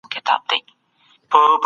لټ انسان ناکام دی.